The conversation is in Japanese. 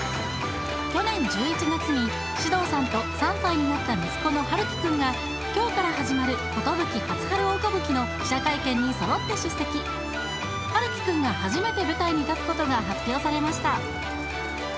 去年１１月に獅童さんと３歳になった息子の陽喜くんが今日から始まる『壽初春大歌舞伎』の記者会見に揃って出席陽喜くんが初めて舞台に立つことが発表されました